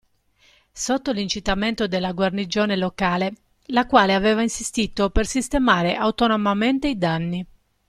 Sotto l'incitamento della guarnigione locale, la quale aveva insistito per sistemare autonomamente i danni.